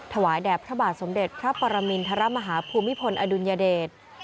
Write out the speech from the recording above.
แด่พระบาทสมเด็จพระปรมินทรมาฮาภูมิพลอดุลยเดช